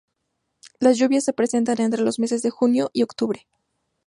Las lluvias se presentan entre los meses de junio y octubre.